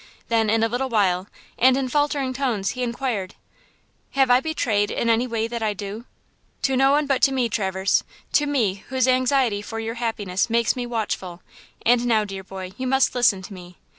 Then in a little while and in faltering tones he inquired. "Have I betrayed, in any way, that I do?" "To no one but to me, Traverse, to me whose anxiety for your happiness makes me watchful; and now, dear boy, you must listen to me.